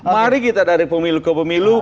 mari kita dari pemilu ke pemilu